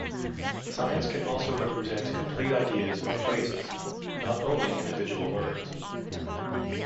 Signs can also represent complete ideas or phrases, not only individual words.